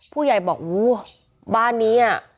ผู้ใหญ่บอกวู้วบ้านเนี่ย